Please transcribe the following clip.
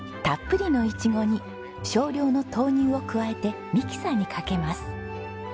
たっぷりのイチゴに少量の豆乳を加えてミキサーにかけます。